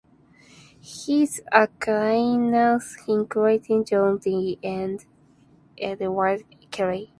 His acquaintances included John Dee and Edward Kelley.